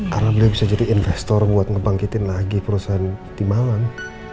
karena beliau bisa jadi investor buat ngebangkitin lagi perusahaan di malang